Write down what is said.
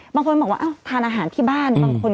บางคนบอกว่าทานอาหารที่บ้านบางคน